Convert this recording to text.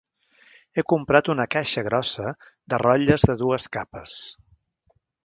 He comprat una caixa grossa de rotlles de dues capes.